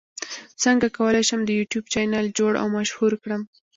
څنګه کولی شم د یوټیوب چینل جوړ او مشهور کړم